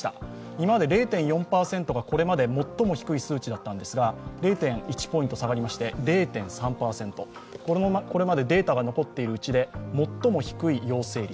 今まで０．４％がこれまで最も低い数値だったんですが、０．１ポイント下がりまして０．３％、これまでデータが残っているうちで最も低い陽性率。